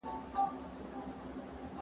سمندر وچ دی